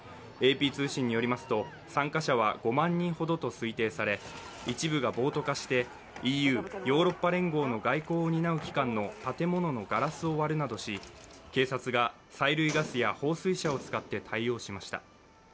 ＡＰ通信によりますと、参加者は５万人ほどと推定され一部が暴徒化してＥＵ＝ヨーロッパ連合の外交を担う機関の建物のガラスを割るなどし警察が催涙ガスや放水車を使って対応しました。